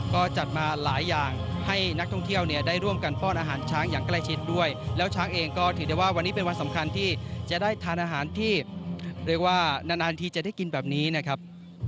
ก็จัดมาหลายอย่างให้นักท่องเที่ยวเนี่ยได้ร่วมกันป้อนอาหารช้างอย่างใกล้ชิดด้วยแล้วช้างเองก็ถือได้ว่าวันนี้เป็นวันสำคัญที่จะได้ทานอาหารที่เรียกว่านานทีจะได้กินแบบนี้นะครับ